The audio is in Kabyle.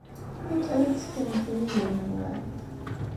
Akka ara tsekkremt imidiwen-nwent?